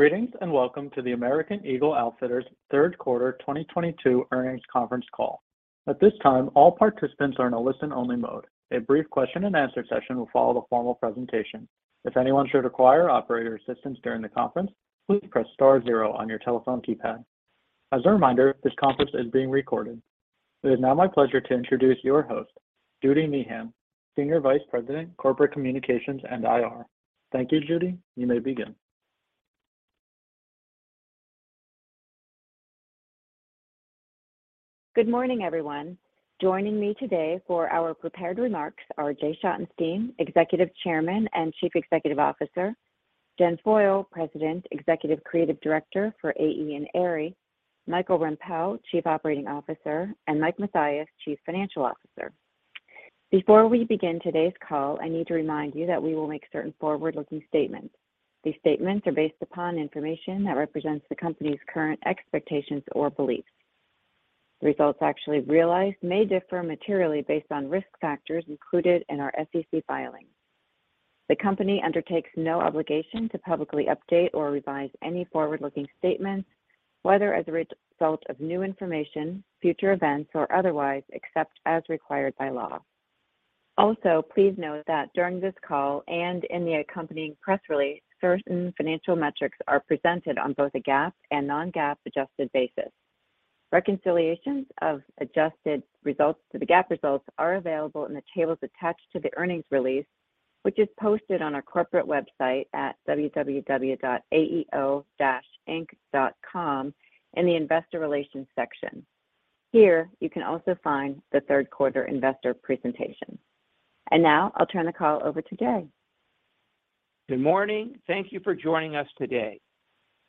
Greetings and welcome to the American Eagle Outfitters third quarter 2022 earnings conference call. At this time, all participants are in a listen-only mode. A brief question and answer session will follow the formal presentation. If anyone should require operator assistance during the conference, please press star zero on your telephone keypad. As a reminder, this conference is being recorded. It is now my pleasure to introduce your host, Judy Meehan, Senior Vice President, Corporate Communications and IR. Thank you, Judy. You may begin. Good morning, everyone. Joining me today for our prepared remarks are Jay Schottenstein, Executive Chairman and Chief Executive Officer. Jen Foyle, President, Executive Creative Director for AE and Aerie. Michael Rempell, Chief Operating Officer, and Mike Mathias, Chief Financial Officer. Before we begin today's call, I need to remind you that we will make certain forward-looking statements. These statements are based upon information that represents the company's current expectations or beliefs. Results actually realized may differ materially based on risk factors included in our SEC filings. The company undertakes no obligation to publicly update or revise any forward-looking statements, whether as a result of new information, future events, or otherwise, except as required by law. Also, please note that during this call and in the accompanying press release, certain financial metrics are presented on both a GAAP and non-GAAP adjusted basis. Reconciliations of adjusted results to the GAAP results are available in the tables attached to the earnings release, which is posted on our corporate website at www.aeo-inc.com in the Investor Relations section. Here, you can also find the third quarter investor presentation. Now I'll turn the call over to Jay. Good morning. Thank you for joining us today.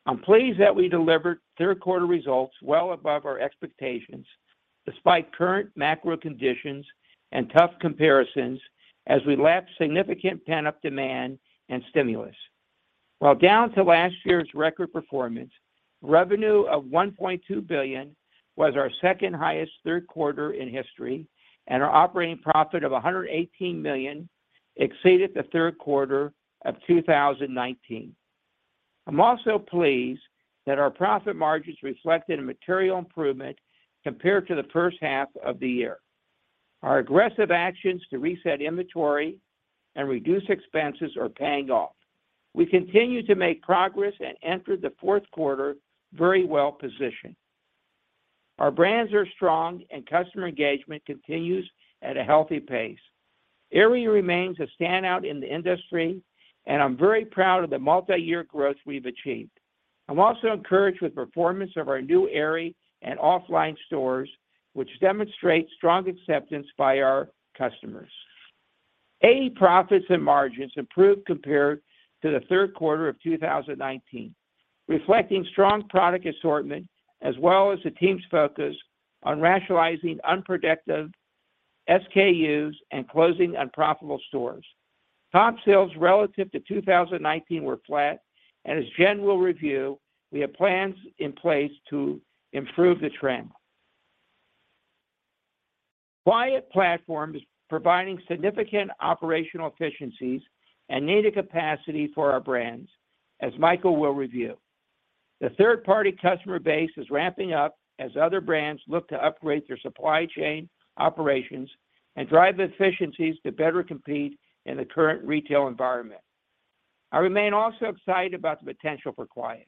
I'm pleased that we delivered third quarter results well above our expectations despite current macro conditions and tough comparisons as we lap significant pent-up demand and stimulus. While down to last year's record performance, revenue of $1.2 billion was our second highest third quarter in history, and our operating profit of $118 million exceeded the third quarter of 2019. I'm also pleased that our profit margins reflected a material improvement compared to the first half of the year. Our aggressive actions to reset inventory and reduce expenses are paying off. We continue to make progress and enter the fourth quarter very well-positioned. Our brands are strong and customer engagement continues at a healthy pace. Aerie remains a standout in the industry, and I'm very proud of the multi-year growth we've achieved. I'm also encouraged with performance of our new Aerie and OFFLINE stores, which demonstrate strong acceptance by our customers. AE profits and margins improved compared to the third quarter of 2019, reflecting strong product assortment as well as the team's focus on rationalizing unproductive SKUs and closing unprofitable stores. Top sales relative to 2019 were flat, and as Jen will review, we have plans in place to improve the trend. Quiet Platforms is providing significant operational efficiencies and needed capacity for our brands, as Michael will review. The third-party customer base is ramping up as other brands look to upgrade their supply chain operations and drive efficiencies to better compete in the current retail environment. I remain also excited about the potential for Quiet Platforms.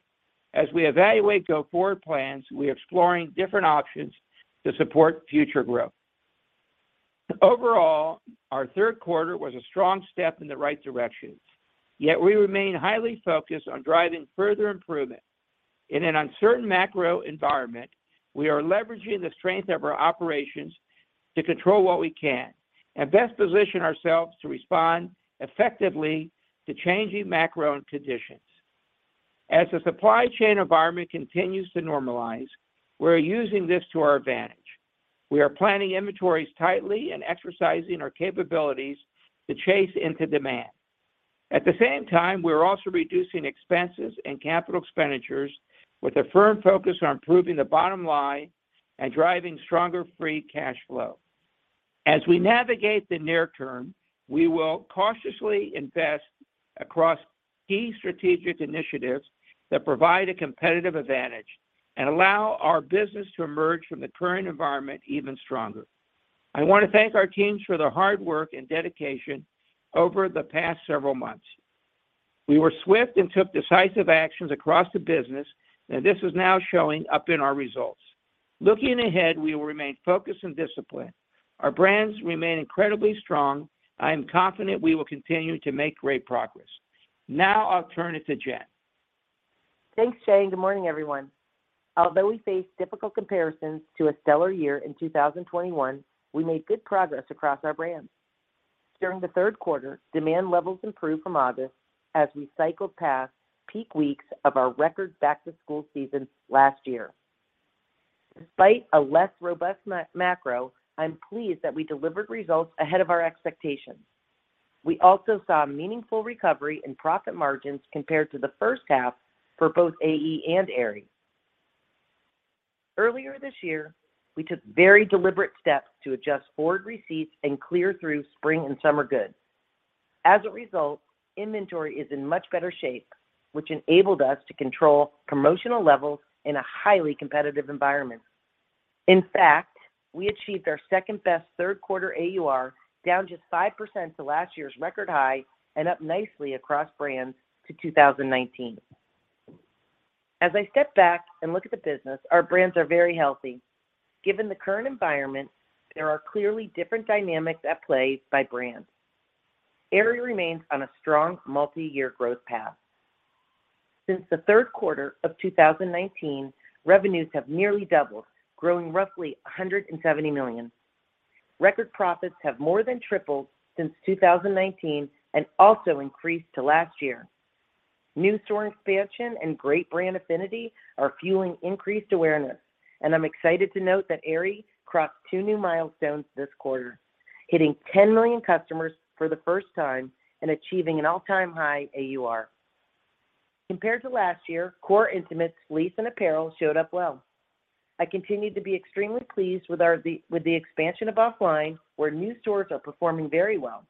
As we evaluate go forward plans, we're exploring different options to support future growth. Overall, our third quarter was a strong step in the right direction, yet we remain highly focused on driving further improvement. In an uncertain macro environment, we are leveraging the strength of our operations to control what we can and best position ourselves to respond effectively to changing macro conditions. As the supply chain environment continues to normalize, we're using this to our advantage. We are planning inventories tightly and exercising our capabilities to chase into demand. At the same time, we're also reducing expenses and capital expenditures with a firm focus on improving the bottom line and driving stronger free cash flow. As we navigate the near term, we will cautiously invest across key strategic initiatives that provide a competitive advantage and allow our business to emerge from the current environment even stronger. I want to thank our teams for their hard work and dedication over the past several months. We were swift and took decisive actions across the business, and this is now showing up in our results. Looking ahead, we will remain focused and disciplined. Our brands remain incredibly strong. I am confident we will continue to make great progress. Now I'll turn it to Jen. Thanks, Jay. Good morning, everyone. Although we face difficult comparisons to a stellar year in 2021, we made good progress across our brands. During the third quarter, demand levels improved from August as we cycled past peak weeks of our record back-to-school season last year. Despite a less robust macro, I'm pleased that we delivered results ahead of our expectations. We also saw a meaningful recovery in profit margins compared to the first half for both AE and Aerie. Earlier this year, we took very deliberate steps to adjust forward receipts and clear through spring and summer goods. As a result, inventory is in much better shape, which enabled us to control promotional levels in a highly competitive environment. In fact, we achieved our second-best third quarter AUR, down just 5% to last year's record high, and up nicely across brands to 2019. As I step back and look at the business, our brands are very healthy. Given the current environment, there are clearly different dynamics at play by brands. Aerie remains on a strong multi-year growth path. Since the third quarter of 2019, revenues have nearly doubled, growing roughly $170 million. Record profits have more than tripled since 2019 and also increased to last year. New store expansion and great brand affinity are fueling increased awareness, and I'm excited to note that Aerie crossed two new milestones this quarter, hitting 10 million customers for the first time and achieving an all-time high AUR. Compared to last year, core intimates, fleece, and apparel showed up well. I continue to be extremely pleased with the expansion of OFFLINE, where new stores are performing very well.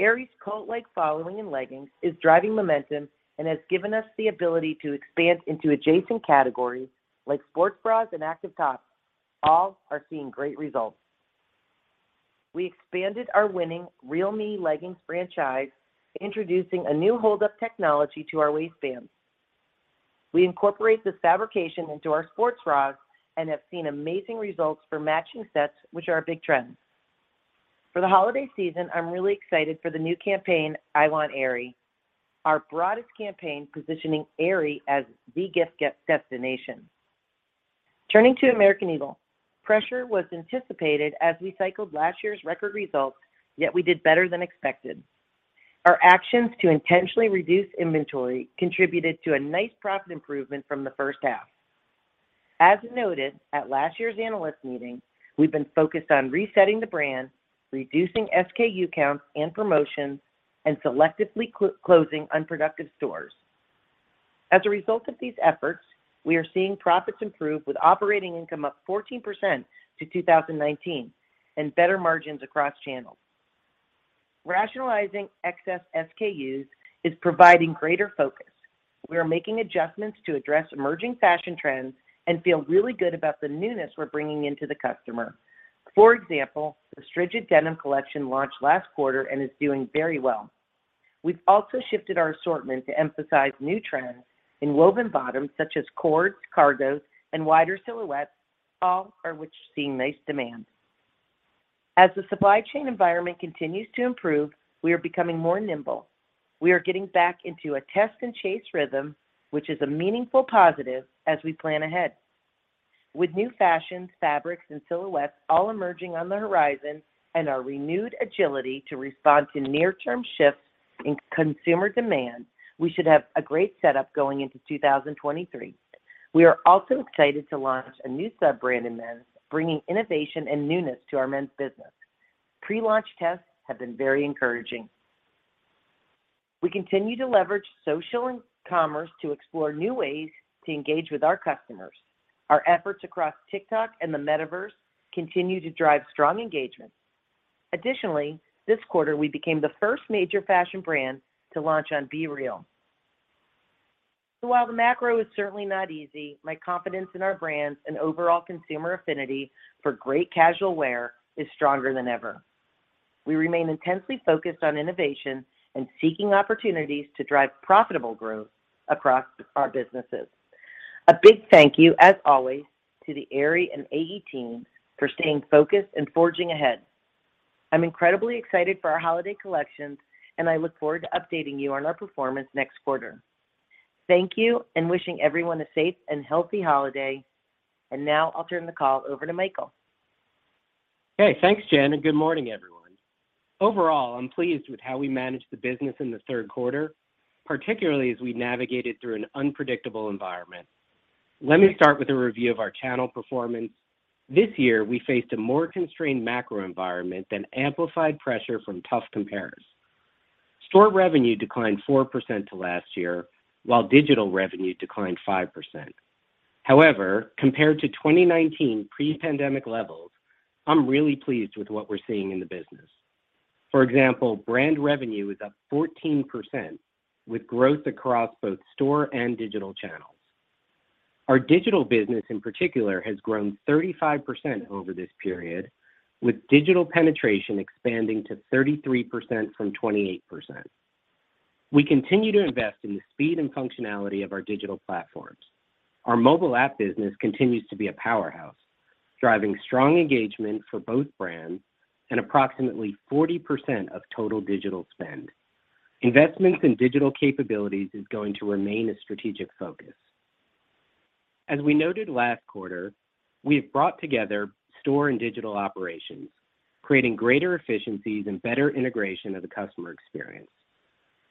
Aerie's cult-like following in leggings is driving momentum and has given us the ability to expand into adjacent categories like sports bras and active tops. All are seeing great results. We expanded our winning Real Me leggings franchise, introducing a new hold-up technology to our waistbands. We incorporate this fabrication into our sports bras and have seen amazing results for matching sets, which are a big trend. For the holiday season, I'm really excited for the new campaign, I Want Aerie, our broadest campaign positioning Aerie as the gift destination. Turning to American Eagle, pressure was anticipated as we cycled last year's record results, yet we did better than expected. Our actions to intentionally reduce inventory contributed to a nice profit improvement from the first half. As noted at last year's analyst meeting, we've been focused on resetting the brand, reducing SKU counts and promotions, and selectively closing unproductive stores. As a result of these efforts, we are seeing profits improve with operating income up 14% to 2019, and better margins across channels. Rationalizing excess SKUs is providing greater focus. We are making adjustments to address emerging fashion trends and feel really good about the newness we're bringing into the customer. For example, the Strigid denim collection launched last quarter and is doing very well. We've also shifted our assortment to emphasize new trends in woven bottoms such as cords, cargos, and wider silhouettes, which are seeing nice demand. As the supply chain environment continues to improve, we are becoming more nimble. We are getting back into a test-and-chase rhythm, which is a meaningful positive as we plan ahead. With new fashions, fabrics, and silhouettes all emerging on the horizon and our renewed agility to respond to near-term shifts in consumer demand, we should have a great setup going into 2023. We are also excited to launch a new sub-brand in men's, bringing innovation and newness to our men's business. Pre-launch tests have been very encouraging. We continue to leverage social and commerce to explore new ways to engage with our customers. Our efforts across TikTok and the Metaverse continue to drive strong engagement. Additionally, this quarter, we became the first major fashion brand to launch on BeReal. While the macro is certainly not easy, my confidence in our brands and overall consumer affinity for great casual wear is stronger than ever. We remain intensely focused on innovation and seeking opportunities to drive profitable growth across our businesses. A big thank you, as always, to the Aerie and AE team for staying focused and forging ahead. I'm incredibly excited for our holiday collections, and I look forward to updating you on our performance next quarter. Thank you, and wishing everyone a safe and healthy holiday. Now I'll turn the call over to Michael. Okay. Thanks, Jen, good morning, everyone. Overall, I'm pleased with how we managed the business in the third quarter, particularly as we navigated through an unpredictable environment. Let me start with a review of our channel performance. This year, we faced a more constrained macro environment than amplified pressure from tough compares. Store revenue declined 4% to last year, while digital revenue declined 5%. Compared to 2019 pre-pandemic levels, I'm really pleased with what we're seeing in the business. For example, brand revenue is up 14% with growth across both store and digital channels. Our digital business in particular has grown 35% over this period, with digital penetration expanding to 33% from 28%. We continue to invest in the speed and functionality of our digital platforms. Our mobile app business continues to be a powerhouse, driving strong engagement for both brands and approximately 40% of total digital spend. Investments in digital capabilities is going to remain a strategic focus. As we noted last quarter, we've brought together store and digital operations, creating greater efficiencies and better integration of the customer experience.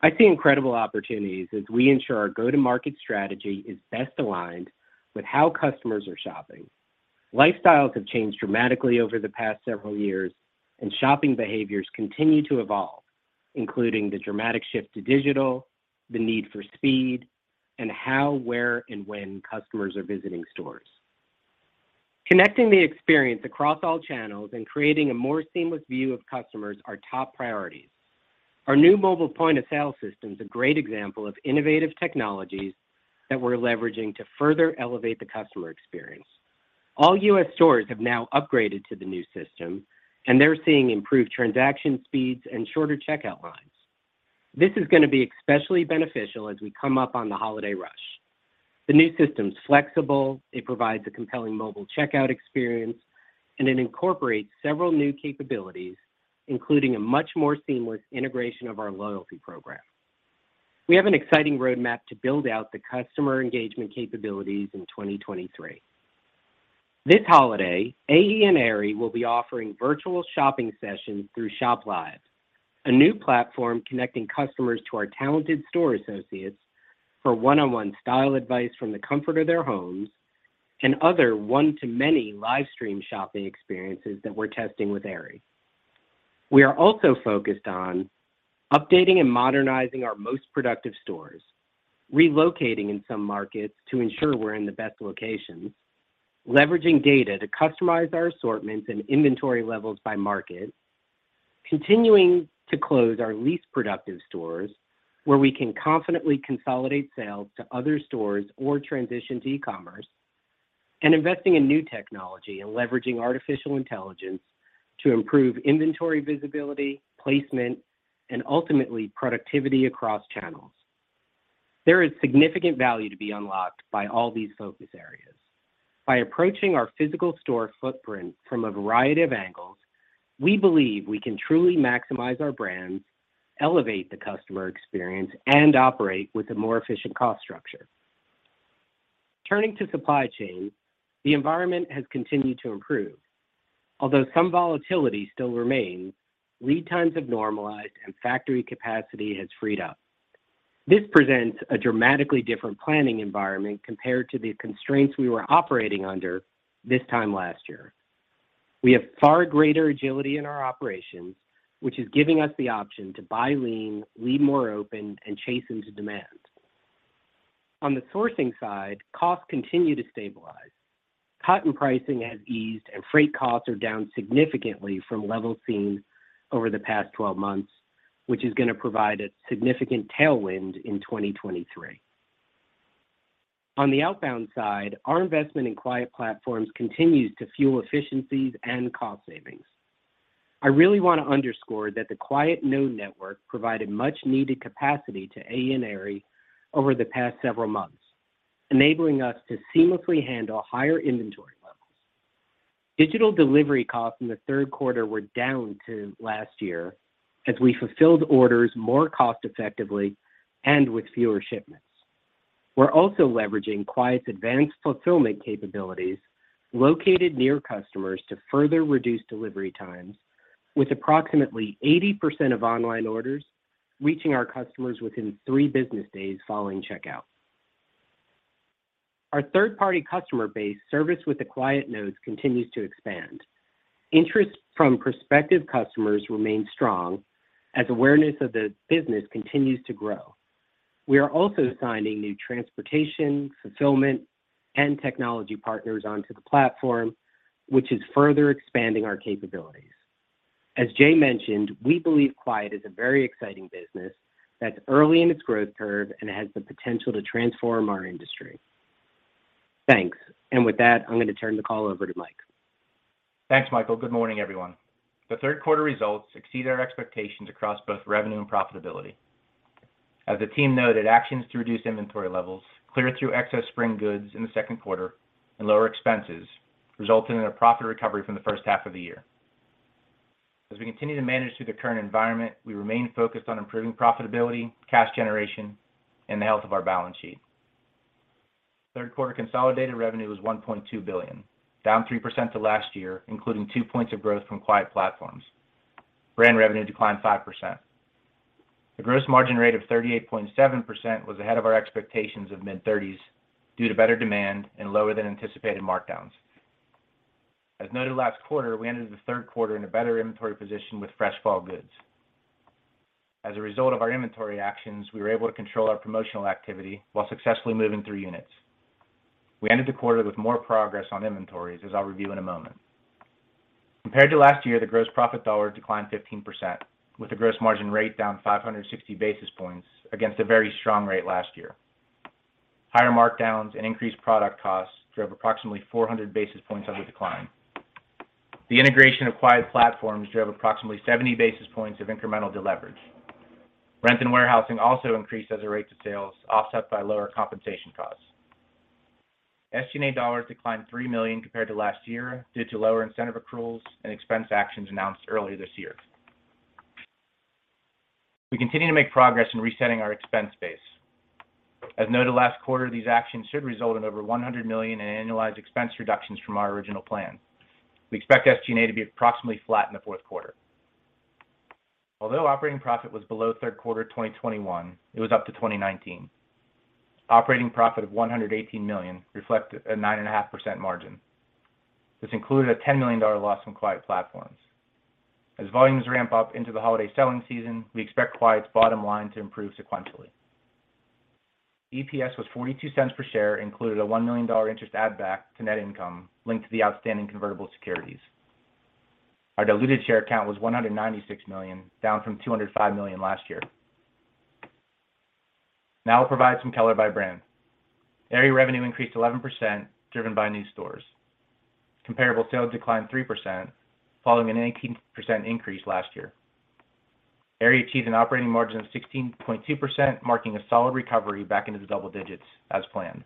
I see incredible opportunities as we ensure our go-to-market strategy is best aligned with how customers are shopping. Lifestyles have changed dramatically over the past several years, and shopping behaviors continue to evolve, including the dramatic shift to digital, the need for speed, and how, where, and when customers are visiting stores. Connecting the experience across all channels and creating a more seamless view of customers are top priorities. Our new mobile point-of-sale system is a great example of innovative technologies that we're leveraging to further elevate the customer experience. All U.S. stores have now upgraded to the new system, and they're seeing improved transaction speeds and shorter checkout lines. This is gonna be especially beneficial as we come up on the holiday rush. The new system's flexible, it provides a compelling mobile checkout experience, and it incorporates several new capabilities, including a much more seamless integration of our loyalty program. We have an exciting roadmap to build out the customer engagement capabilities in 2023. This holiday, AE and Aerie will be offering virtual shopping sessions through ShopLive, a new platform connecting customers to our talented store associates for one-on-one style advice from the comfort of their homes and other one-to-many live stream shopping experiences that we're testing with Aerie. We are also focused on updating and modernizing our most productive stores, relocating in some markets to ensure we're in the best locations, leveraging data to customize our assortments and inventory levels by market, continuing to close our least productive stores where we can confidently consolidate sales to other stores or transition to e-commerce, and investing in new technology and leveraging artificial intelligence to improve inventory visibility, placement, and ultimately productivity across channels. There is significant value to be unlocked by all these focus areas. By approaching our physical store footprint from a variety of angles, we believe we can truly maximize our brands, elevate the customer experience, and operate with a more efficient cost structure. Turning to supply chain, the environment has continued to improve. Although some volatility still remains, lead times have normalized and factory capacity has freed up. This presents a dramatically different planning environment compared to the constraints we were operating under this time last year. We have far greater agility in our operations, which is giving us the option to buy lean, leave more open, and chase into demand. On the sourcing side, costs continue to stabilize. Cotton pricing has eased, and freight costs are down significantly from levels seen over the past 12 months, which is gonna provide a significant tailwind in 2023. On the outbound side, our investment in Quiet Platforms continues to fuel efficiencies and cost savings. I really wanna underscore that the Quiet Node network provided much-needed capacity to AE and Aerie over the past several months, enabling us to seamlessly handle higher inventory levels. Digital delivery costs in the 3rd quarter were down to last year as we fulfilled orders more cost-effectively and with fewer shipments. We're also leveraging Quiet's advanced fulfillment capabilities located near customers to further reduce delivery times with approximately 80% of online orders reaching our customers within 3 business days following checkout. Our third-party customer base serviced with the Quiet Nodes continues to expand. Interest from prospective customers remains strong as awareness of the business continues to grow. We are also signing new transportation, fulfillment, and technology partners onto the platform, which is further expanding our capabilities. As Jay mentioned, we believe Quiet is a very exciting business that's early in its growth curve and has the potential to transform our industry. Thanks. With that, I'm gonna turn the call over to Mike. Thanks, Michael. Good morning, everyone. The third quarter results exceed our expectations across both revenue and profitability. As the team noted, actions to reduce inventory levels, clear through excess spring goods in the second quarter and lower expenses resulted in a profit recovery from the first half of the year. As we continue to manage through the current environment, we remain focused on improving profitability, cash generation, and the health of our balance sheet. Third quarter consolidated revenue was $1.2 billion, down 3% to last year, including 2 points of growth from Quiet Platforms. Brand revenue declined 5%. The gross margin rate of 38.7% was ahead of our expectations of mid-thirties due to better demand and lower than anticipated markdowns. As noted last quarter, we entered the third quarter in a better inventory position with fresh fall goods. As a result of our inventory actions, we were able to control our promotional activity while successfully moving through units. We ended the quarter with more progress on inventories, as I'll review in a moment. Compared to last year, the gross profit dollar declined 15%, with the gross margin rate down 560 basis points against a very strong rate last year. Higher markdowns and increased product costs drove approximately 400 basis points of the decline. The integration of Quiet Platforms drove approximately 70 basis points of incremental deleverage. Rent and warehousing also increased as a rate to sales, offset by lower compensation costs. SG&A dollars declined $3 million compared to last year due to lower incentive accruals and expense actions announced earlier this year. We continue to make progress in resetting our expense base. As noted last quarter, these actions should result in over $100 million in annualized expense reductions from our original plan. We expect SG&A to be approximately flat in the fourth quarter. Operating profit was below third quarter 2021, it was up to 2019. Operating profit of $118 million reflected a 9.5% margin. This included a $10 million loss from Quiet Platforms. As volumes ramp up into the holiday selling season, we expect Quiet's bottom line to improve sequentially. EPS was $0.42 per share, included a $1 million interest add back to net income linked to the outstanding convertible securities. Our diluted share count was 196 million, down from 205 million last year. I'll provide some color by brand. Aerie revenue increased 11%, driven by new stores. Comparable sales declined 3%, following an 18% increase last year. Aerie achieved an operating margin of 16.2%, marking a solid recovery back into the double digits as planned.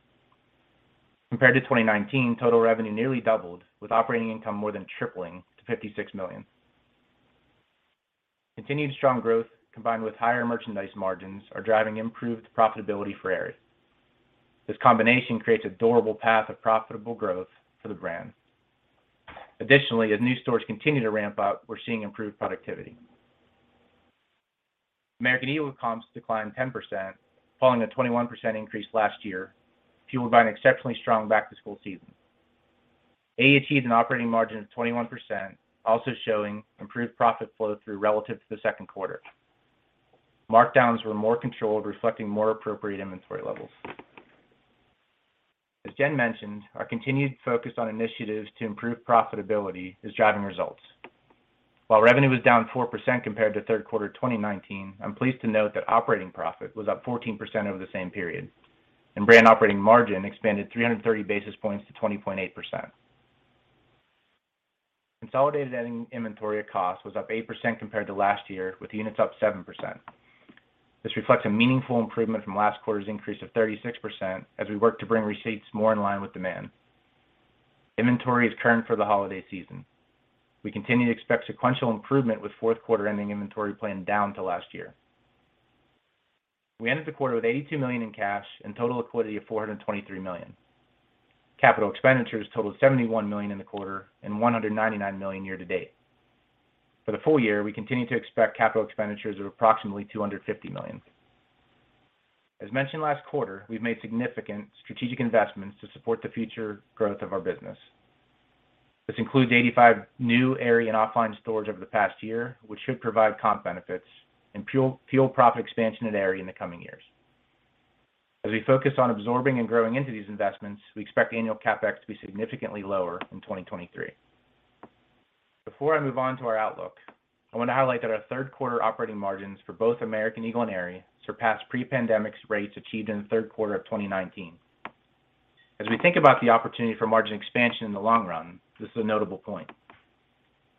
Compared to 2019, total revenue nearly doubled, with operating income more than tripling to $56 million. Continued strong growth combined with higher merchandise margins are driving improved profitability for Aerie. This combination creates a durable path of profitable growth for the brand. Additionally, as new stores continue to ramp up, we're seeing improved productivity. American Eagle comps declined 10%, following a 21% increase last year, fueled by an exceptionally strong back-to-school season. AE achieved an operating margin of 21%, also showing improved profit flow through relative to the second quarter. Markdowns were more controlled, reflecting more appropriate inventory levels. As Jen mentioned, our continued focus on initiatives to improve profitability is driving results. While revenue was down 4% compared to third quarter 2019, I'm pleased to note that operating profit was up 14% over the same period, and brand operating margin expanded 330 basis points to 20.8%. Consolidated ending inventory at cost was up 8% compared to last year, with units up 7%. This reflects a meaningful improvement from last quarter's increase of 36% as we work to bring receipts more in line with demand. Inventory is turned for the holiday season. We continue to expect sequential improvement with fourth quarter ending inventory planned down to last year. We ended the quarter with $82 million in cash and total liquidity of $423 million. Capital expenditures totaled $71 million in the quarter and $199 million year-to-date. For the full year, we continue to expect CapEx of approximately $250 million. Mentioned last quarter, we've made significant strategic investments to support the future growth of our business. This includes 85 new Aerie and OFFLINE stores over the past year, which should provide comp benefits and fuel profit expansion at Aerie in the coming years. We focus on absorbing and growing into these investments, we expect annual CapEx to be significantly lower in 2023. Before I move on to our outlook, I wanna highlight that our third quarter operating margins for both American Eagle and Aerie surpassed pre-pandemic rates achieved in the third quarter of 2019. We think about the opportunity for margin expansion in the long run, this is a notable point.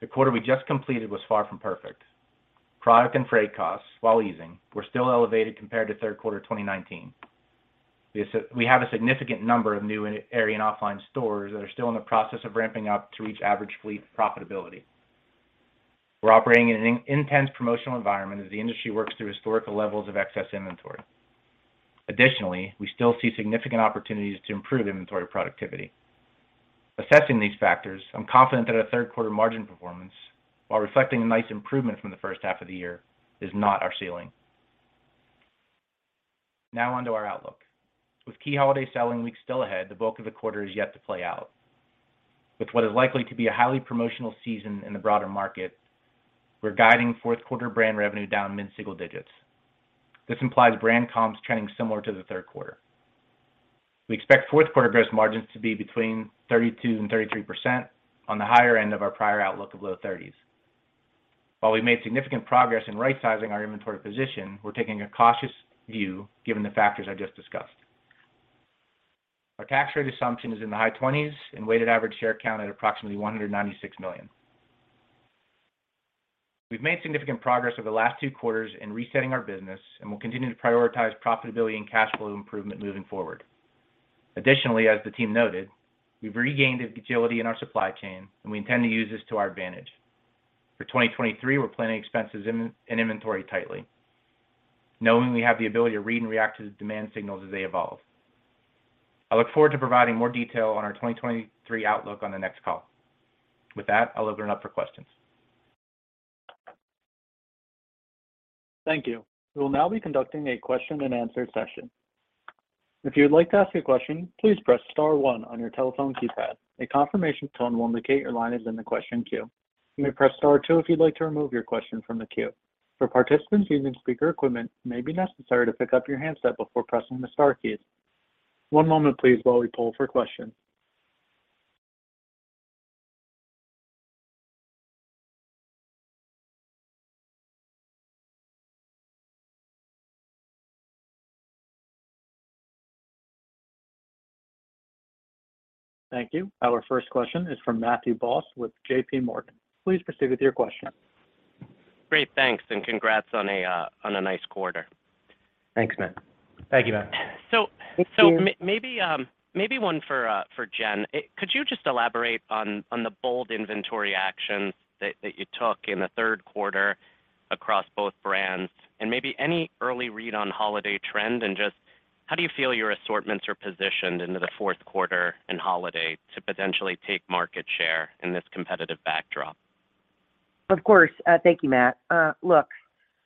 The quarter we just completed was far from perfect. Product and freight costs, while easing, were still elevated compared to third quarter 2019. We have a significant number of new Aerie and OFFLINE stores that are still in the process of ramping up to reach average fleet profitability. We're operating in an intense promotional environment as the industry works through historical levels of excess inventory. We still see significant opportunities to improve inventory productivity. Assessing these factors, I'm confident that our third quarter margin performance, while reflecting a nice improvement from the first half of the year, is not our ceiling. On to our outlook. Key holiday selling weeks still ahead, the bulk of the quarter is yet to play out. What is likely to be a highly promotional season in the broader market, we're guiding fourth quarter brand revenue down mid-single digits. This implies brand comps trending similar to the third quarter. We expect fourth quarter gross margins to be between 32% and 33% on the higher end of our prior outlook of low 30s%. While we've made significant progress in right-sizing our inventory position, we're taking a cautious view given the factors I just discussed. Our tax rate assumption is in the high 20s% and weighted average share count at approximately 196 million. We've made significant progress over the last two quarters in resetting our business and will continue to prioritize profitability and cash flow improvement moving forward. As the team noted, we've regained agility in our supply chain. We intend to use this to our advantage. For 2023, we're planning expenses in inventory tightly, knowing we have the ability to read and react to the demand signals as they evolve. I look forward to providing more detail on our 2023 outlook on the next call. With that, I'll open it up for questions. Thank you. We will now be conducting a question and answer session. If you would like to ask a question, please press star one on your telephone keypad. A confirmation tone will indicate your line is in the question queue. You may press star two if you'd like to remove your question from the queue. For participants using speaker equipment, it may be necessary to pick up your handset before pressing the star keys. One moment please while we poll for questions. Thank you. Our first question is from Matthew Boss with JPMorgan. Please proceed with your question. Great. Thanks and congrats on a nice quarter. Thanks, Matthew. Thank you, Matthew. Thank you. Maybe one for Jen. Could you just elaborate on the bold inventory actions that you took in the third quarter across both brands and maybe any early read on holiday trend and just? How do you feel your assortments are positioned into the fourth quarter and holiday to potentially take market share in this competitive backdrop? Of course. Thank you, Matt. Look,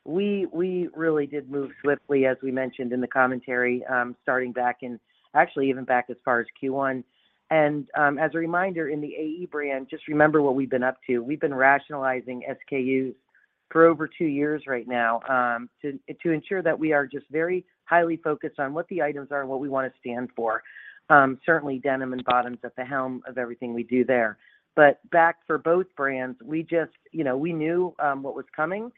we really did move swiftly, as we mentioned in the commentary, starting back in... Actually, even back as far as Q1. As a reminder, in the AE brand, just remember what we've been up to. We've been rationalizing SKUs for over two years right now, to ensure that we are just very highly focused on what the items are and what we wanna stand for. Certainly denim and bottoms at the helm of everything we do there. Back for both brands, you know, we knew what was coming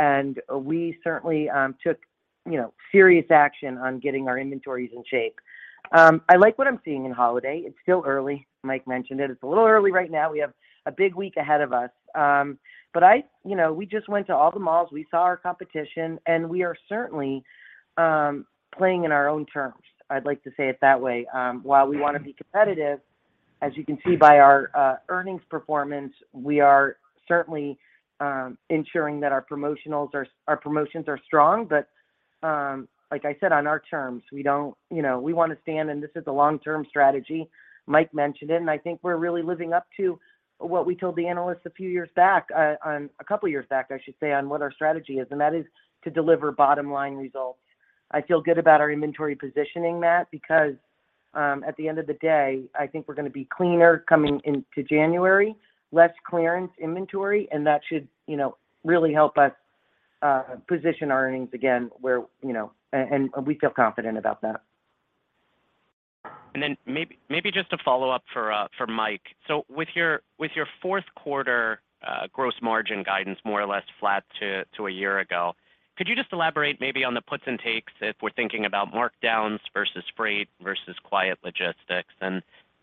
and we certainly took, you know, serious action on getting our inventories in shape. I like what I'm seeing in holiday. It's still early. Mike mentioned it. It's a little early right now. We have a big week ahead of us. You know, we just went to all the malls, we saw our competition, and we are certainly playing in our own terms. I'd like to say it that way. While we wanna be competitive, as you can see by our earnings performance, we are certainly ensuring that our promotions are strong. Like I said, on our terms. We don't, you know, we wanna stand, and this is a long-term strategy. Mike mentioned it, and I think we're really living up to what we told the analysts a few years back, a couple years back, I should say, on what our strategy is, and that is to deliver bottom line results. I feel good about our inventory positioning, Matt, because at the end of the day, I think we're gonna be cleaner coming into January, less clearance inventory, and that should, you know, really help us position our earnings again where, you know. We feel confident about that. Maybe just a follow-up for Mike. With your fourth quarter gross margin guidance more or less flat to a year ago, could you just elaborate maybe on the puts and takes if we're thinking about markdowns versus freight versus quiet logistics?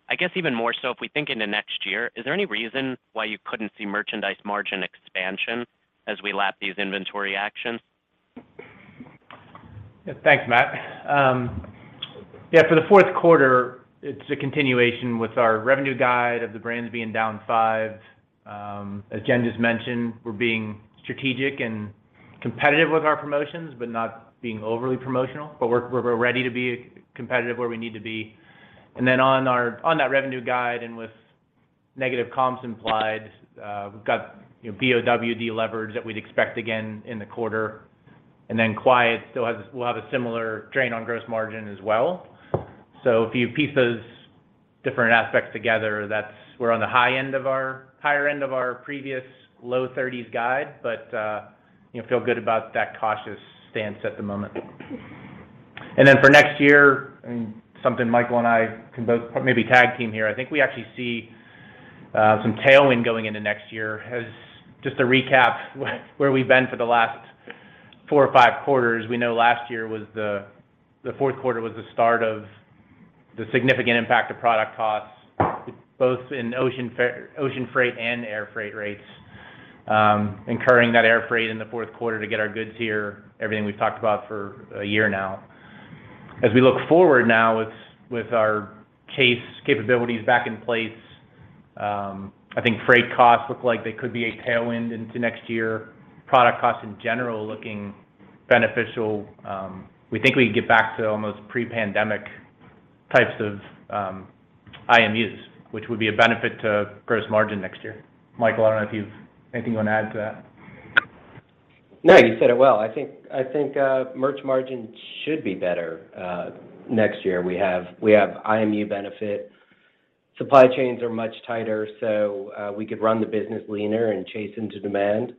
I guess even more so, if we think into next year, is there any reason why you couldn't see merchandise margin expansion as we lap these inventory actions? Thanks, Matt. For the fourth quarter, it's a continuation with our revenue guide of the brands being down 5%. As Jen just mentioned, we're being strategic and competitive with our promotions, not being overly promotional. We're ready to be competitive where we need to be. On that revenue guide and with negative comps implied, we've got, you know, BOD leverage that we'd expect again in the quarter. Quiet will have a similar drain on gross margin as well. If you piece those different aspects together, that's. We're on the high end of our higher end of our previous low 30s% guide, but, you know, feel good about that cautious stance at the moment. For next year, and something Michael and I can both maybe tag team here, I think we actually see some tailwind going into next year. Just to recap where we've been for the last four or five quarters, we know last year was The fourth quarter was the start of the significant impact of product costs, both in ocean freight and air freight rates. Incurring that air freight in the fourth quarter to get our goods here, everything we've talked about for a year now. We look forward now with our CapEx capabilities back in place, I think freight costs look like they could be a tailwind into next year. Product costs in general looking beneficial. We think we can get back to almost pre-pandemic types of IMUs, which would be a benefit to gross margin next year. Michael, I don't know if you've anything you wanna add to that? No, you said it well. I think merch margin should be better next year. We have IMU benefit. Supply chains are much tighter, so we could run the business leaner and chase into demand.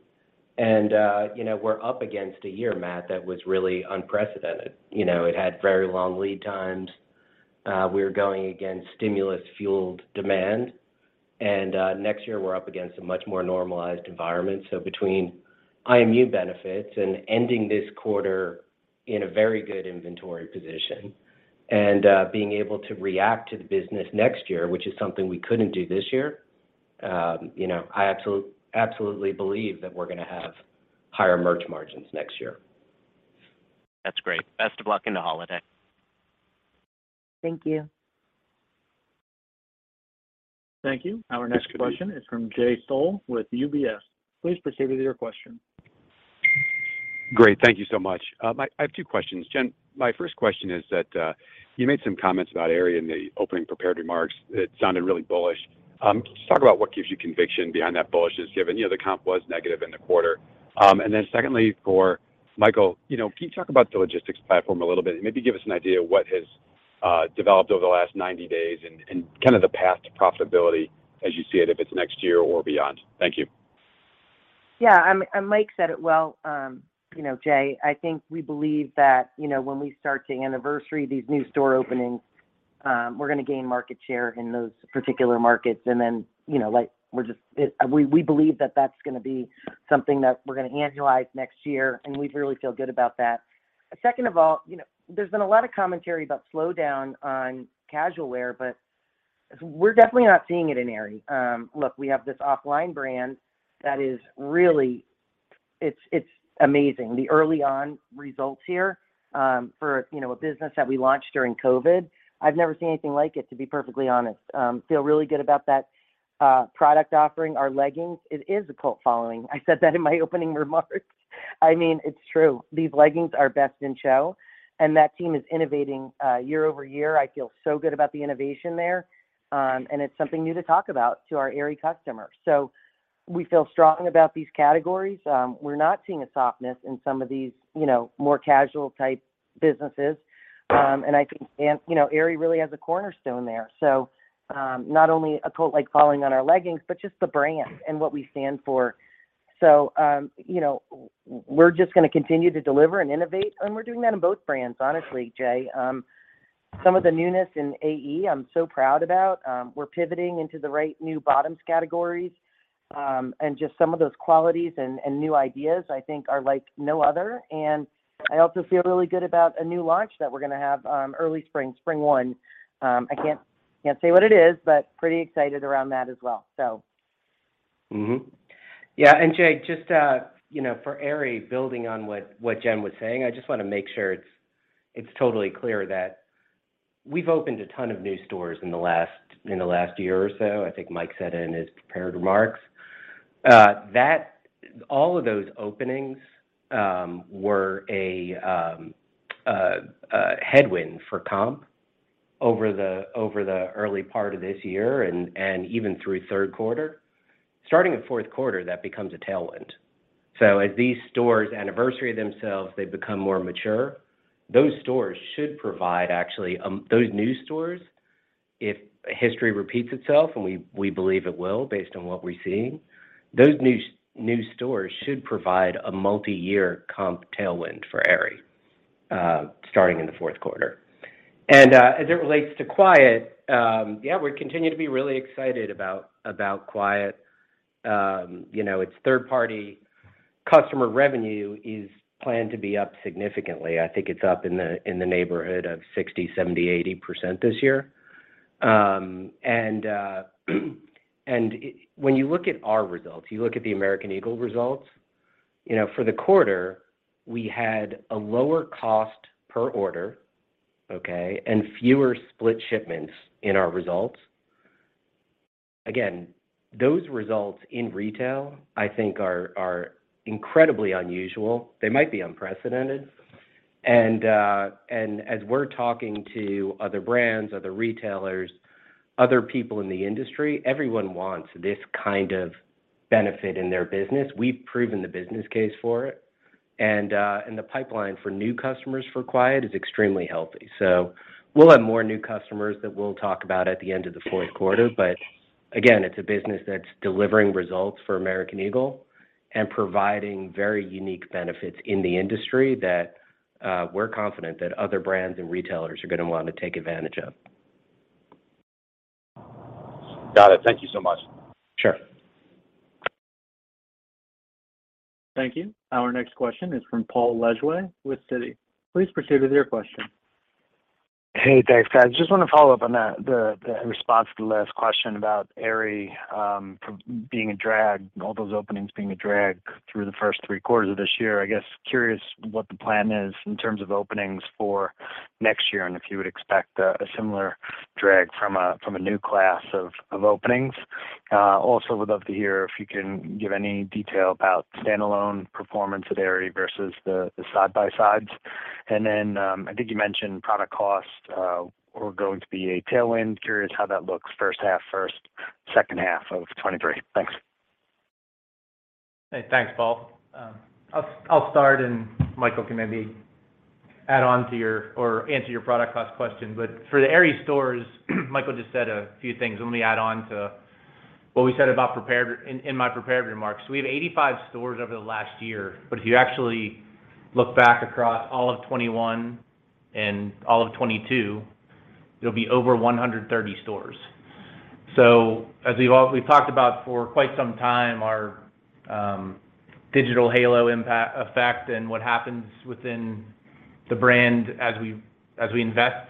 You know, we're up against a year, Matt, that was really unprecedented. You know, it had very long lead times. We're going against stimulus-fueled demand. Next year we're up against a much more normalized environment. Between IMU benefits and ending this quarter in a very good inventory position, being able to react to the business next year, which is something we couldn't do this year, you know, I absolutely believe that we're gonna have higher merch margins next year. That's great. Best of luck in the holiday. Thank you. Thank you. Our next question is from Jay Sole with UBS. Please proceed with your question. Great. Thank you so much. I have two questions. Jen, my first question is that you made some comments about Aerie in the opening prepared remarks that sounded really bullish. Just talk about what gives you conviction behind that bullishness, given, you know, the comp was negative in the quarter. Secondly for Michael, you know, can you talk about the logistics platform a little bit? Maybe give us an idea of what has developed over the last 90 days and kind of the path to profitability as you see it, if it's next year or beyond. Thank you. Yeah. Mike said it well. You know, Jay, I think we believe that, you know, when we start to anniversary these new store openings, we're gonna gain market share in those particular markets. You know, we believe that that's gonna be something that we're gonna annualize next year, and we really feel good about that. Second of all, you know, there's been a lot of commentary about slowdown on casual wear, we're definitely not seeing it in Aerie. Look, we have this OFFLINE brand. It's amazing. The early on results here, for, you know, a business that we launched during COVID. I've never seen anything like it, to be perfectly honest. Feel really good about that. Product offering, our leggings, it is a cult following. I said that in my opening remarks. I mean, it's true. These leggings are best in show, and that team is innovating year-over-year. I feel so good about the innovation there, and it's something new to talk about to our Aerie customer. We feel strong about these categories. We're not seeing a softness in some of these, you know, more casual type businesses. I think, and, you know, Aerie really has a cornerstone there. Not only a cult-like following on our leggings, but just the brand and what we stand for. You know, we're just gonna continue to deliver and innovate, and we're doing that in both brands, honestly, Jay. Some of the newness in AE I'm so proud about. We're pivoting into the right new bottoms categories, and just some of those qualities and new ideas I think are like no other. I also feel really good about a new launch that we're gonna have, early spring 1. I can't say what it is, but pretty excited around that as well. Yeah. Jay, just, you know, for Aerie, building on what Jen was saying, I just wanna make sure it's totally clear that we've opened a ton of new stores in the last year or so. I think Mike said it in his prepared remarks. That all of those openings were a headwind for comp over the early part of this year and even through third quarter. Starting in fourth quarter, that becomes a tailwind. As these stores anniversary themselves, they become more mature. Those stores should provide actually, those new stores, if history repeats itself, and we believe it will based on what we're seeing, those new stores should provide a multi-year comp tailwind for Aerie, starting in the fourth quarter. As it relates to Quiet, yeah, we continue to be really excited about Quiet. You know, its third party customer revenue is planned to be up significantly. I think it's up in the, in the neighborhood of 60%, 70%, 80% this year. When you look at our results, you look at the American Eagle results, you know, for the quarter, we had a lower cost per order, okay? Fewer split shipments in our results. Again, those results in retail, I think are incredibly unusual. They might be unprecedented. As we're talking to other brands, other retailers, other people in the industry, everyone wants this kind of benefit in their business. We've proven the business case for it. The pipeline for new customers for Quiet is extremely healthy. We'll have more new customers that we'll talk about at the end of the fourth quarter. Again, it's a business that's delivering results for American Eagle and providing very unique benefits in the industry that we're confident that other brands and retailers are gonna want to take advantage of. Got it. Thank you so much. Sure. Thank you. Our next question is from Paul Lejuez with Citi. Please proceed with your question. Hey, thanks guys. Just wanna follow up on that, the response to the last question about Aerie, from being a drag, all those openings being a drag through the first three quarters of this year. I guess curious what the plan is in terms of openings for next year, and if you would expect a similar drag from a new class of openings. Also would love to hear if you can give any detail about standalone performance at Aerie versus the side by sides. I think you mentioned product costs were going to be a tailwind. Curious how that looks first half first, second half of 2023. Thanks. Hey, thanks, Paul. I'll start and Michael can maybe add on to your or answer your product cost question. For the Aerie stores, Michael just said a few things. Let me add on to what we said in my prepared remarks. We have 85 stores over the last year, but if you actually look back across all of 2021 and all of 2022, it'll be over 130 stores. As we've talked about for quite some time, our digital halo impact effect and what happens within the brand as we invest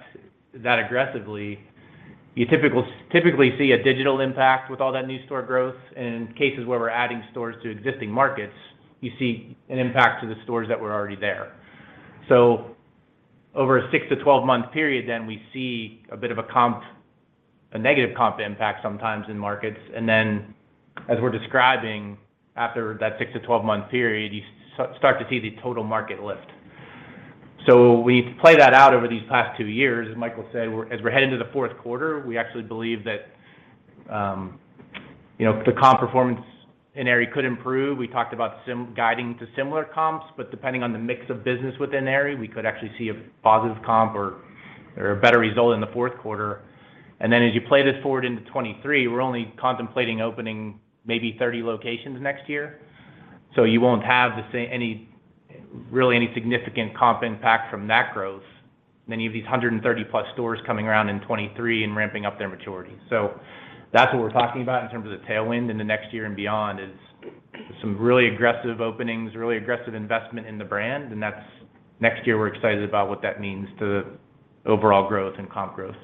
that aggressively. You typically see a digital impact with all that new store growth. In cases where we're adding stores to existing markets, you see an impact to the stores that were already there. Over a six to 12-month period, then we see a bit of a comp... a negative comp impact sometimes in markets. As we're describing after that six to 12-month period, you start to see the total market lift. We play that out over these past two years. As Michael said, we're heading to the fourth quarter, we actually believe that, you know, the comp performance in Aerie could improve. We talked about guiding to similar comps, but depending on the mix of business within Aerie, we could actually see a positive comp or a better result in the fourth quarter. As you play this forward into 2023, we're only contemplating opening maybe 30 locations next year. You won't have any, really any significant comp impact from that growth, many of these 130+ stores coming around in 2023 and ramping up their maturity. That's what we're talking about in terms of the tailwind in the next year and beyond, is some really aggressive openings, really aggressive investment in the brand. That's. Next year, we're excited about what that means to overall growth and comp growth.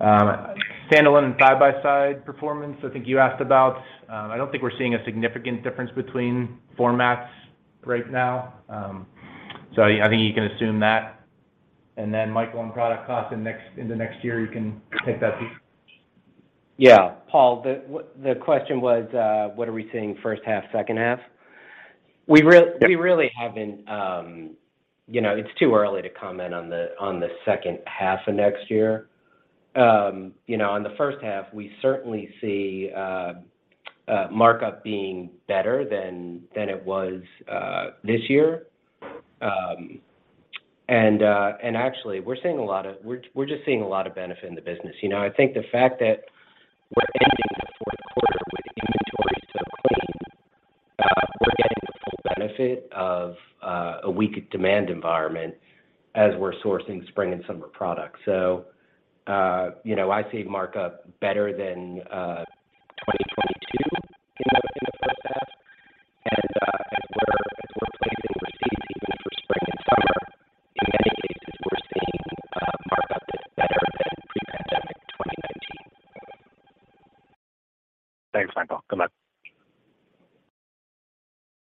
Standalone and side by side performance, I think you asked about. I don't think we're seeing a significant difference between formats right now. I think you can assume that. Then Michael on product cost in the next year, you can take that piece. Yeah. Paul, the question was, what are we seeing first half, second half? Yep We really haven't, you know, it's too early to comment on the second half of next year. You know, on the first half, we certainly see markup being better than it was this year. We're just seeing a lot of benefit in the business. You know, I think the fact that we're ending the fourth quarter with inventory so clean, we're getting the full benefit of a weak demand environment as we're sourcing spring and summer products. You know, I see markup better than 2022 in the first half. As we're placing with CPC even for spring and summer, in many cases we're seeing markup that's better than pre-pandemic 2019. Thanks, Michael. Good luck.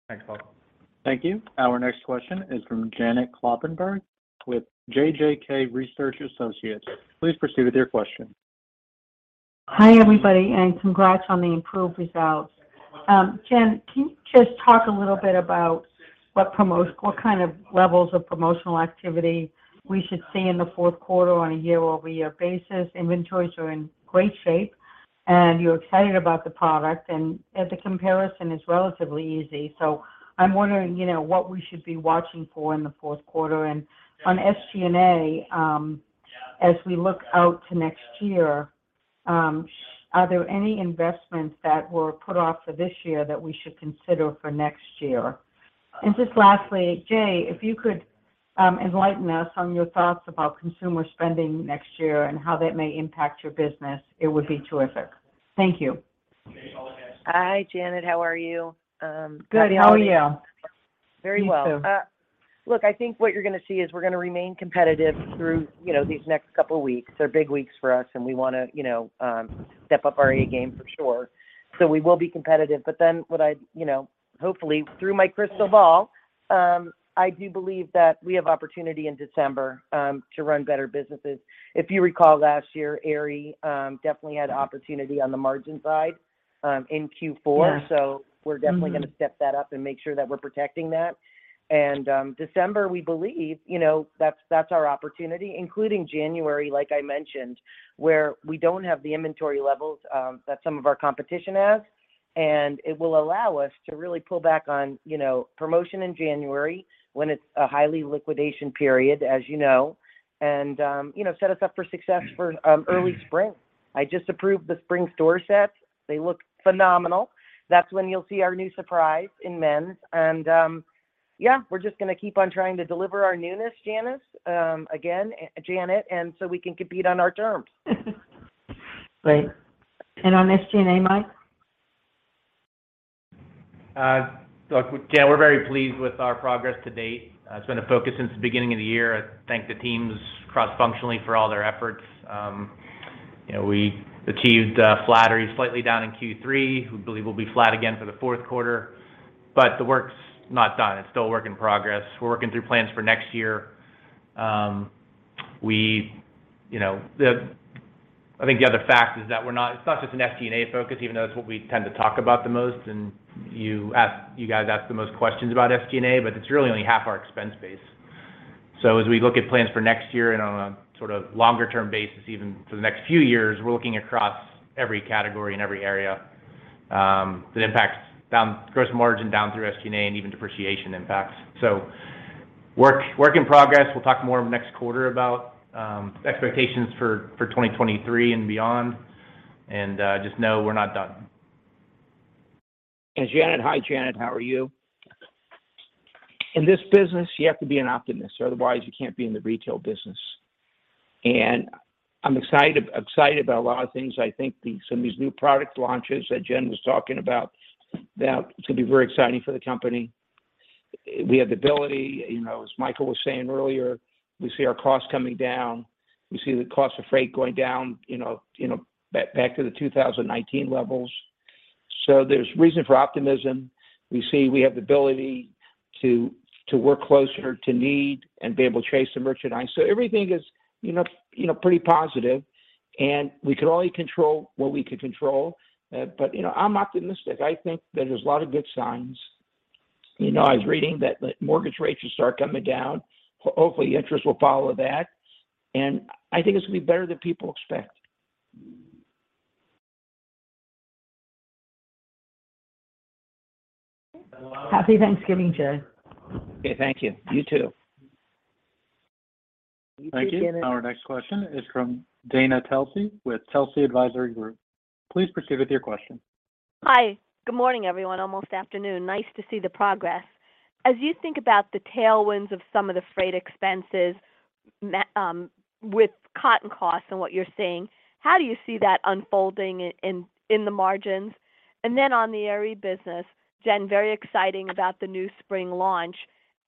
Thanks, Paul. Thank you. Our next question is from Janet Kloppenburg with JJK Research Associates. Please proceed with your question. Hi, everybody, and congrats on the improved results. Jen, can you just talk a little bit about what kind of levels of promotional activity we should see in the fourth quarter on a year-over-year basis? Inventories are in great shape, and you're excited about the product, and the comparison is relatively easy. I'm wondering, you know, what we should be watching for in the fourth quarter. On SG&A, as we look out to next year, are there any investments that were put off for this year that we should consider for next year? Just lastly, Jay, if you could enlighten us on your thoughts about consumer spending next year and how that may impact your business, it would be terrific. Thank you. Hi, Janet. How are you? Good. How are you? Very well. You too. Look, I think what you're gonna see is we're gonna remain competitive through, you know, these next couple weeks. They're big weeks for us, we wanna, you know, step up our A game for sure. We will be competitive. You know, hopefully through my crystal ball, I do believe that we have opportunity in December to run better businesses. If you recall last year, Aerie definitely had opportunity on the margin side in Q4. Yeah. We're definitely gonna step that up and make sure that we're protecting that. December, we believe, you know, that's our opportunity, including January, like I mentioned, where we don't have the inventory levels that some of our competition has, and it will allow us to really pull back on, you know, promotion in January when it's a highly liquidation period, as you know, you know, set us up for success for early spring. I just approved the spring store sets. They look phenomenal. That's when you'll see our new surprise in men's and, yeah, we're just gonna keep on trying to deliver our newness, Janet. Again, Janet, we can compete on our terms. Great. On SG&A, Mike? Look, Jan, we're very pleased with our progress to date. It's been a focus since the beginning of the year. I thank the teams cross-functionally for all their efforts. You know, we achieved flat or slightly down in Q3. We believe we'll be flat again for the fourth quarter. The work's not done. It's still a work in progress. We're working through plans for next year. You know, I think the other fact is that it's not just an SG&A focus, even though that's what we tend to talk about the most, and you guys ask the most questions about SG&A. It's really only half our expense base. As we look at plans for next year and on a sort of longer term basis, even for the next few years, we're looking across every category and every area that impacts gross margin down through SG&A, and even depreciation impacts. Work in progress. We'll talk more next quarter about expectations for 2023 and beyond and just know we're not done. Janet. Hi, Janet. How are you? In this business, you have to be an optimist, otherwise you can't be in the retail business. I'm excited about a lot of things. I think some of these new product launches that Jen was talking about, that's gonna be very exciting for the company. We have the ability, you know, as Michael was saying earlier, we see our costs coming down. We see the cost of freight going down, back to the 2019 levels. There's reason for optimism. We have the ability to work closer to need and be able to chase the merchandise. Everything is, you know, pretty positive, and we can only control what we can control. You know, I'm optimistic. I think that there's a lot of good signs. You know, I was reading that the mortgage rates should start coming down. Hopefully, interest will follow that, and I think it's gonna be better than people expect. Happy Thanksgiving, Jay. Okay. Thank you. You too. Thank you. You too, Janet. Our next question is from Dana Telsey with Telsey Advisory Group. Please proceed with your question. Hi. Good morning, everyone. Almost afternoon. Nice to see the progress. As you think about the tailwinds of some of the freight expenses with cotton costs and what you're seeing, how do you see that unfolding in, in the margins? On the Aerie business, Jen, very exciting about the new spring launch.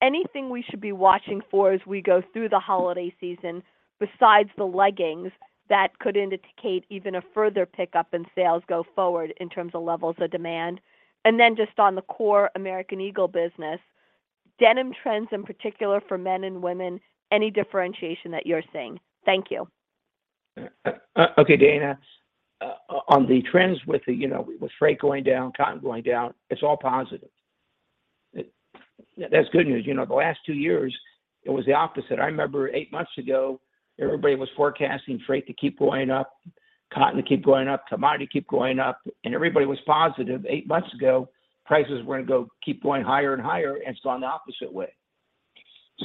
Anything we should be watching for as we go through the holiday season besides the leggings that could indicate even a further pickup in sales go forward in terms of levels of demand? Just on the core American Eagle business, denim trends in particular for men and women, any differentiation that you're seeing? Thank you. Okay, Dana, on the trends with the, you know, with freight going down, cotton going down, it's all positive. That's good news. You know, the last two years it was the opposite. I remember eight months ago everybody was forecasting freight to keep going up, cotton to keep going up, commodity keep going up, and everybody was positive. Eight months ago prices were gonna keep going higher and higher, and it's gone the opposite way.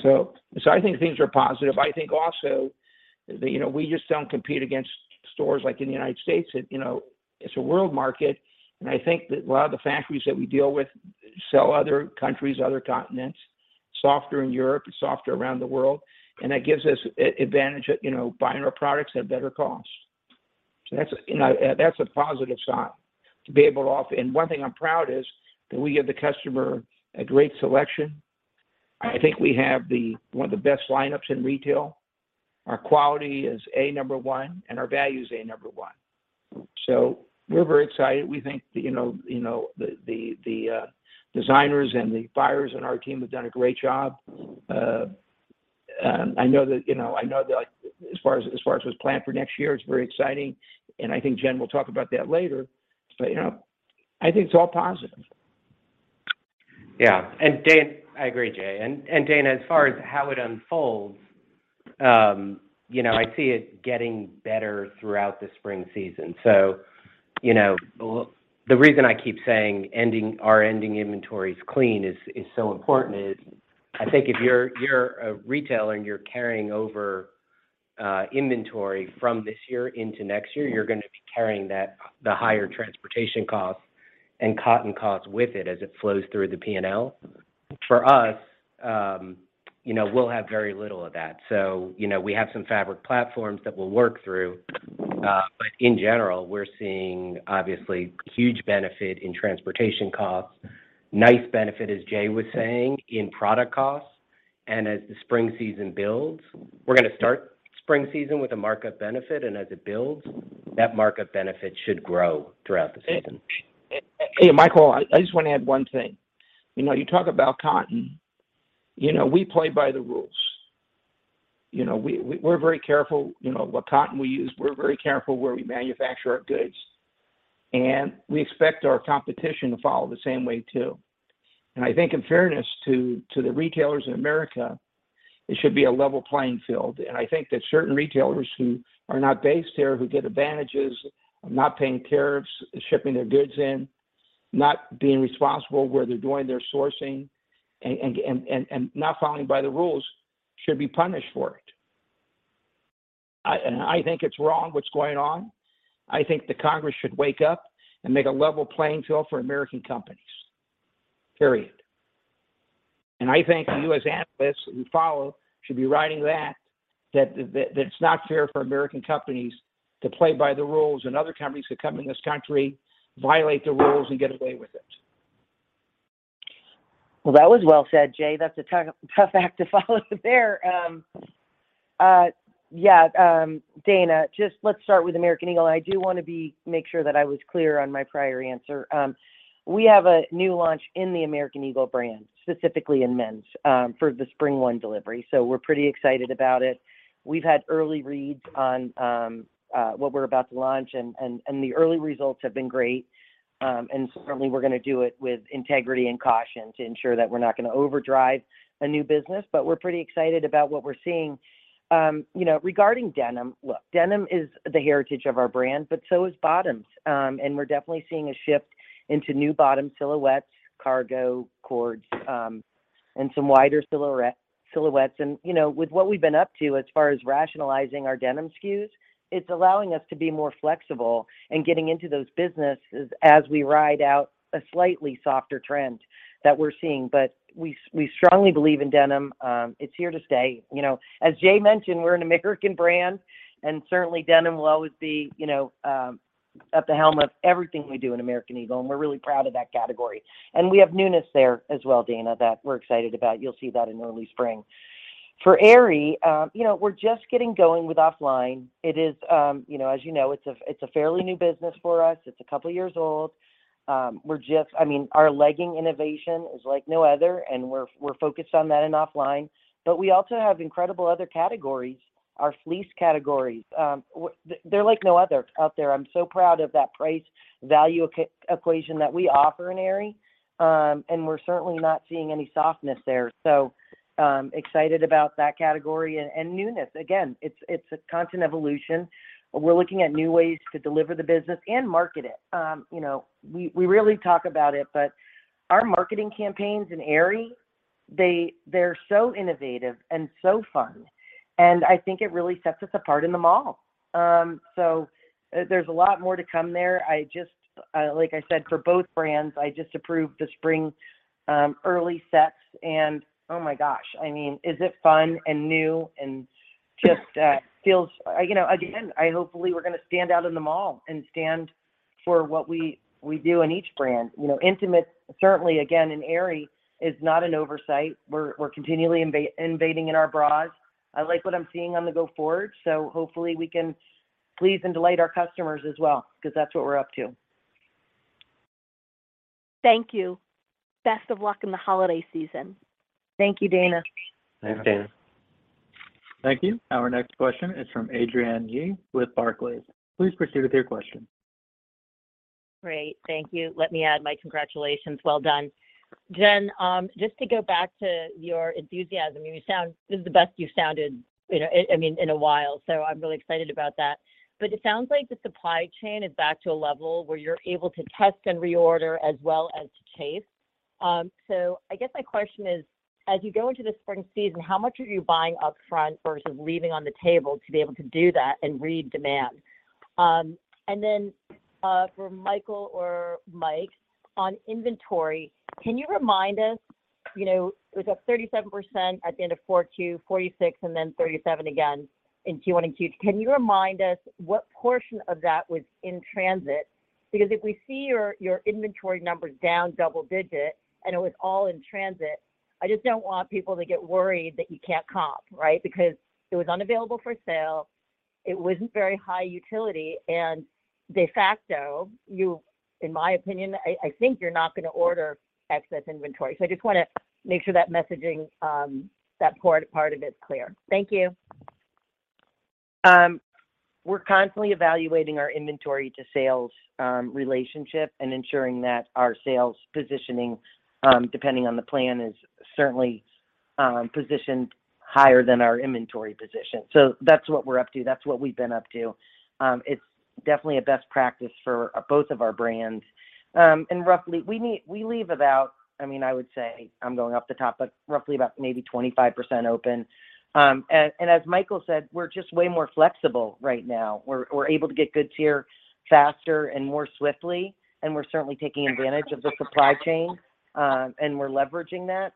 I think things are positive. I think also that, you know, we just don't compete against stores like in the United States. That, you know, it's a world market. I think that a lot of the factories that we deal with sell other countries, other continents, softer in Europe and softer around the world, and that gives us an advantage at, you know, buying our products at better cost. That's, you know, that's a positive sign to be able to offer... One thing I'm proud is that we give the customer a great selection. I think we have the one of the best lineups in retail. Our quality is A-number one, and our value's A-number one. We're very excited. We think that, you know, the designers and the buyers on our team have done a great job. I know that, you know, as far as what's planned for next year, it's very exciting. I think Jen will talk about that later. You know, I think it's all positive. Yeah. Dana, I agree, Jay. Dana, as far as how it unfolds, you know, I see it getting better throughout the spring season. You know, the reason I keep saying ending, our ending inventory's clean is so important is I think if you're a retailer and you're carrying over, inventory from this year into next year, you're gonna be carrying that, the higher transportation costs and cotton costs with it as it flows through the P&L. For us, you know, we'll have very little of that. You know, we have some fabric platforms that we'll work through, but in general, we're seeing obviously huge benefit in transportation costs, nice benefit, as Jay was saying, in product costs, and as the spring season builds, we're gonna start spring season with a markup benefit, and as it builds, that markup benefit should grow throughout the season. Michael, I just wanna add one thing. You know, you talk about cotton. You know, we play by the rules. You know, we're very careful, you know, what cotton we use. We're very careful where we manufacture our goods, we expect our competition to follow the same way too. I think in fairness to the retailers in America, it should be a level playing field. I think that certain retailers who are not based here, who get advantages of not paying tariffs, shipping their goods in, not being responsible where they're doing their sourcing and not following by the rules should be punished for it. I think it's wrong what's going on. I think the Congress should wake up and make a level playing field for American companies, period. I think you as analysts who follow should be writing that it's not fair for American companies to play by the rules, and other companies to come in this country, violate the rules, and get away with it. Well, that was well said, Jay. That's a tough act to follow there. Yeah, Dana, just let's start with American Eagle. I do wanna make sure that I was clear on my prior answer. We have a new launch in the American Eagle brand, specifically in men's, for the spring one delivery, so we're pretty excited about it. We've had early reads on what we're about to launch and the early results have been great. Certainly we're gonna do it with integrity and caution to ensure that we're not gonna overdrive a new business, but we're pretty excited about what we're seeing. You know, regarding denim, look, denim is the heritage of our brand, but so is bottoms. We're definitely seeing a shift into new bottom silhouettes, cargo, cords, and some wider silhouettes. You know, with what we've been up to as far as rationalizing our denim SKUs, it's allowing us to be more flexible in getting into those businesses as we ride out a slightly softer trend that we're seeing. We strongly believe in denim. It's here to stay. You know, as Jay mentioned, we're an American brand, and certainly denim will always be, you know, at the helm of everything we do in American Eagle, and we're really proud of that category. We have newness there as well, Dana, that we're excited about. You'll see that in early spring. For Aerie, you know, we're just getting going with OFFLINE. It is, you know, as you know, it's a, it's a fairly new business for us. It's a couple years old. I mean, our legging innovation is like no other, and we're focused on that in OFFLINE. We also have incredible other categories. Our fleece categories, they're like no other out there. I'm so proud of that price-value equation that we offer in Aerie, and we're certainly not seeing any softness there, so excited about that category and newness. Again, it's a constant evolution. We're looking at new ways to deliver the business and market it. You know, we rarely talk about it, but our marketing campaigns in Aerie, they're so innovative and so fun, and I think it really sets us apart in the mall. There's a lot more to come there. I just, like I said, for both brands, I just approved the spring, early sets. Oh my gosh, I mean, is it fun and new and just feels? You know, again, hopefully we're gonna stand out in the mall and stand for what we do in each brand. You know, intimate certainly again in Aerie is not an oversight. We're continually invading in our bras. I like what I'm seeing on the Go Forward, so hopefully we can please and delight our customers as well, 'cause that's what we're up to. Thank you. Best of luck in the holiday season. Thank you, Dana. Thanks, Dana. Thank you. Our next question is from Adrienne Yih with Barclays. Please proceed with your question. Great. Thank you. Let me add my congratulations. Well done. Jen, just to go back to your enthusiasm, this is the best you've sounded, you know, I mean, in a while, so I'm really excited about that. It sounds like the supply chain is back to a level where you're able to test and reorder as well as to chase. I guess my question is, as you go into the spring season, how much are you buying up front versus leaving on the table to be able to do that and read demand? For Michael or Mike, on inventory, can you remind us, you know, it was up 37% at the end of 42, 46 and then 37% again in Q1 and Q2. Can you remind us what portion of that was in transit? Because if we see your inventory numbers down double-digit and it was all in transit, I just don't want people to get worried that you can't comp, right? Because it was unavailable for sale, it wasn't very high utility, and de facto, in my opinion, I think you're not gonna order excess inventory. I just wanna make sure that messaging, that part of it's clear. Thank you. We're constantly evaluating our inventory to sales relationship and ensuring that our sales positioning, depending on the plan, is certainly positioned higher than our inventory position. That's what we're up to. That's what we've been up to. It's definitely a best practice for both of our brands. And roughly, we leave about maybe 25% open. And as Michael said, we're just way more flexible right now. We're able to get goods here faster and more swiftly, and we're certainly taking advantage of the supply chain, and we're leveraging that.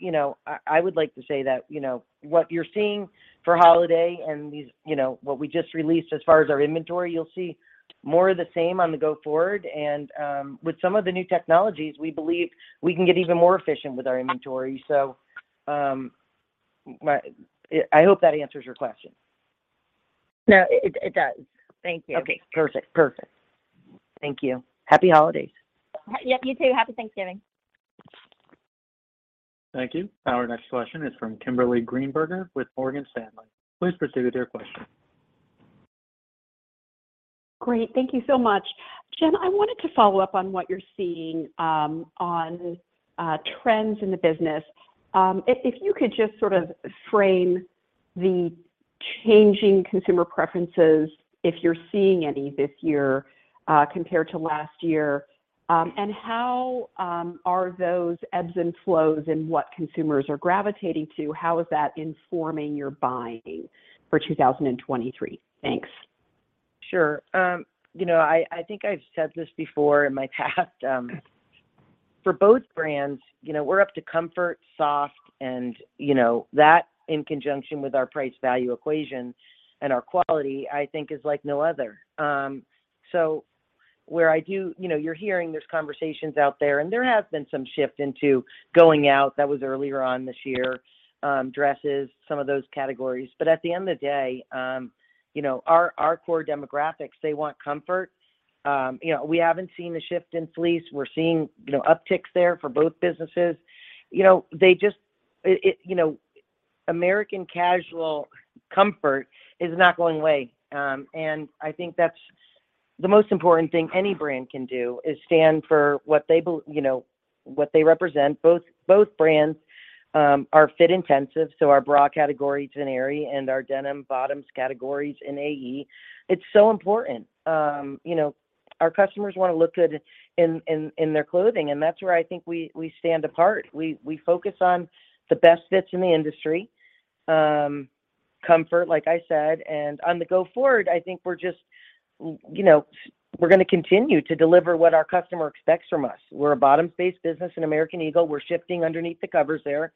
You know, I would like to say that, you know, what you're seeing for holiday and these... You know, what we just released as far as our inventory, you'll see more of the same on the go forward. With some of the new technologies, we believe we can get even more efficient with our inventory. I hope that answers your question. No, it does. Thank you. Okay, perfect. Perfect. Thank you. Happy holidays. Yeah, you too. Happy Thanksgiving. Thank you. Our next question is from Kimberly Greenberger with Morgan Stanley. Please proceed with your question. Great. Thank you so much. Jen, I wanted to follow up on what you're seeing on trends in the business. If you could just sort of frame the changing consumer preferences, if you're seeing any this year compared to last year. How are those ebbs and flows in what consumers are gravitating to, how is that informing your buying for 2023? Thanks. Sure. You know, I think I've said this before in my past. For both brands, you know, we're up to comfort, soft and, you know. That in conjunction with our price value equation and our quality, I think is like no other. You know, you're hearing there's conversations out there, and there has been some shift into going out. That was earlier on this year, dresses, some of those categories. At the end of the day, you know, our core demographics, they want comfort. You know, we haven't seen a shift in fleece. We're seeing, you know, upticks there for both businesses. You know, American casual comfort is not going away. I think that's the most important thing any brand can do, is stand for what they, you know, what they represent. Both brands are fit intensive, so our bra categories in Aerie and our denim bottoms categories in AE, it's so important. You know, our customers wanna look good in their clothing, that's where I think we stand apart. We focus on the best fits in the industry, comfort, like I said. On the go forward, I think we're just, you know, we're gonna continue to deliver what our customer expects from us. We're a bottoms-based business in American Eagle. We're shifting underneath the covers there.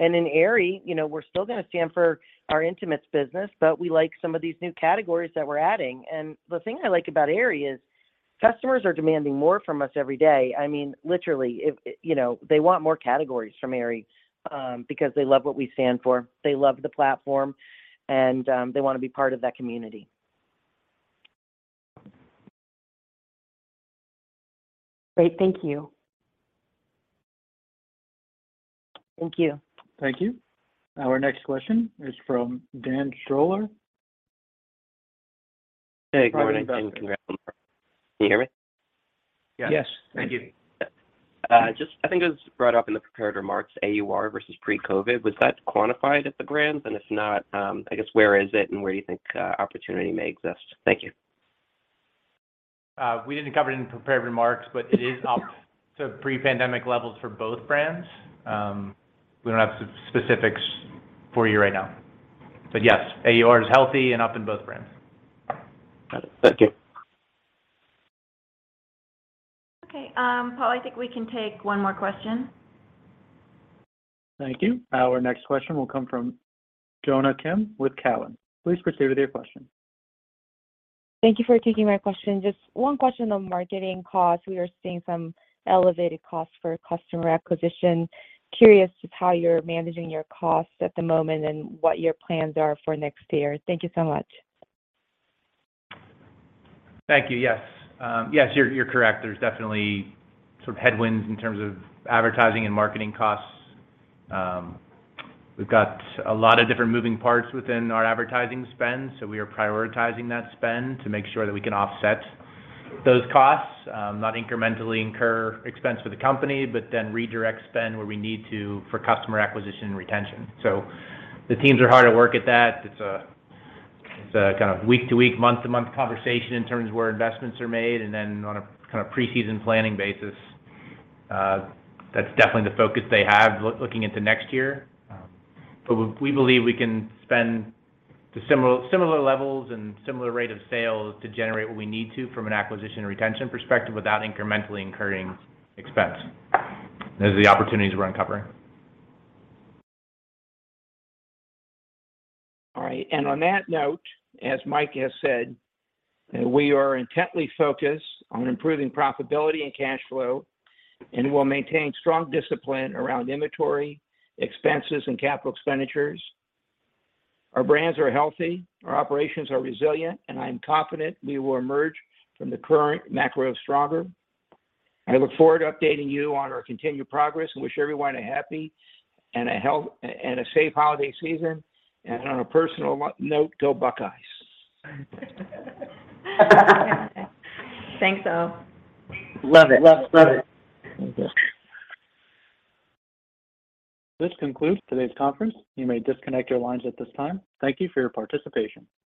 In Aerie, you know, we're still gonna stand for our intimates business, but we like some of these new categories that we're adding. The thing I like about Aerie is customers are demanding more from us every day. I mean, literally, you know, they want more categories from Aerie because they love what we stand for. They love the platform, and they wanna be part of that community. Great. Thank you. Thank you. Thank you. Our next question is from Dan Stroller. Hey, good morning. Can you hear me? Yes. Thank you. Just I think it was brought up in the prepared remarks, AUR versus pre-COVID. Was that quantified at the brands? If not, I guess, where is it, and where do you think, opportunity may exist? Thank you. We didn't cover it in prepared remarks, but it is up to pre-pandemic levels for both brands. We don't have specifics for you right now. Yes, AUR is healthy and up in both brands. Got it. Thank you. Okay. Paul, I think we can take one more question. Thank you. Our next question will come from Jonna Kim with Cowen. Please proceed with your question. Thank you for taking my question. Just one question on marketing costs. We are seeing some elevated costs for customer acquisition. Curious just how you're managing your costs at the moment and what your plans are for next year. Thank you so much. Thank you. Yes. Yes, you're correct. There's definitely some headwinds in terms of advertising and marketing costs. We've got a lot of different moving parts within our advertising spend, so we are prioritizing that spend to make sure that we can offset those costs, not incrementally incur expense for the company, but then redirect spend where we need to for customer acquisition and retention. The teams are hard at work at that. It's a, it's a kind of week to week, month to month conversation in terms of where investments are made, and then on a kind of preseason planning basis. That's definitely the focus they have looking into next year. we believe we can spend to similar levels and similar rate of sales to generate what we need to from an acquisition and retention perspective without incrementally incurring expense as the opportunities we're uncovering. All right. On that note, as Mike has said, we are intently focused on improving profitability and cash flow and will maintain strong discipline around inventory, expenses, and capital expenditures. Our brands are healthy, our operations are resilient, I am confident we will emerge from the current macro stronger. I look forward to updating you on our continued progress and wish everyone a happy and a safe holiday season. On a personal note, go Buckeyes. Thanks, all. Love it. Love it. This concludes today's conference. You may disconnect your lines at this time. Thank you for your participation.